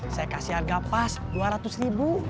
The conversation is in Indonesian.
saya kasih harga pas dua ratus ribu